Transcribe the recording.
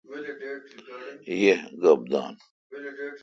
یی گوپ دان۔